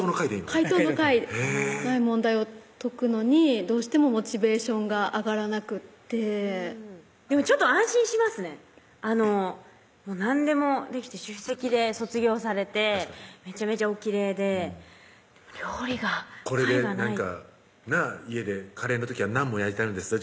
解答の「解」ない問題を解くのにどうしてもモチベーションが上がらなくってでもちょっと安心しますね何でもできて主席で卒業されてめちゃめちゃおきれいででも料理がこれでなんかなぁ「家でカレーの時はナンも焼いてるんですよ